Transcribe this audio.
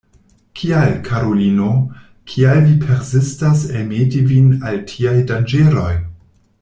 Kial, karulino, kial vi persistas elmeti vin al tiaj danĝeroj?